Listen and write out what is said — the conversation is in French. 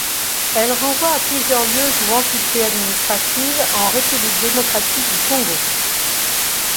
Elle renvoie à plusieurs lieux ou entités administratives en République démocratique du Congo.